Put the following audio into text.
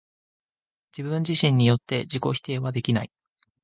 自己自身によって自己否定はできない。